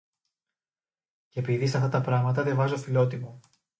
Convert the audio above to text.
Κι επειδή σ' αυτά τα πράματα δε βάζω φιλότιμο